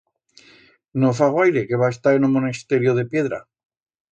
No fa guaire que va estar en o Monesterio de Piedra.